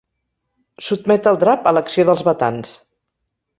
Sotmet el drap a l'acció dels batans.